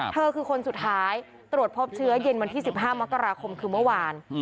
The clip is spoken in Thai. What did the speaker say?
เธอคือคนสุดท้ายตรวจพบเชื้อเย็นวันที่๑๕มกราคมคือเมื่อวาน